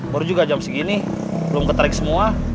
baru juga jam segini belum ketarik semua